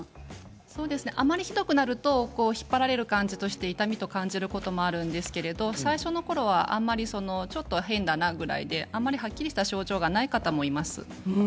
あまり、ひどくなると引っ張られる感じとして痛みと感じることもあるんですけれど最初のころは、あまりちょっと変だなぐらいではっきりした症状がない方もいます。